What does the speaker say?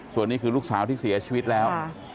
ส่วนนี้คือลูกสาวที่เสียชีวิตแล้ว